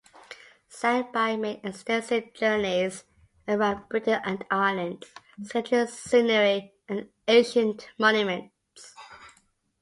Sandby made extensive journeys around Britain and Ireland, sketching scenery and ancient monuments.